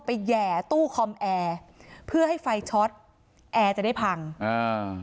แห่ตู้คอมแอร์เพื่อให้ไฟช็อตแอร์จะได้พังอ่า